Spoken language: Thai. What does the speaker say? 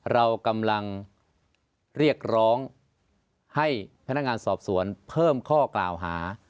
เรากำลังเรียกร้องให้พนักงานสอบสวนเพิ่มข้อกล่าวหา